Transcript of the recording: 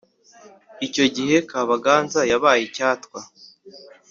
Icyo gihe Kabaganza yabaye icyatwa